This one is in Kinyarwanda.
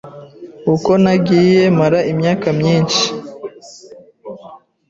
Uko nagiye mara imyaka myinshi,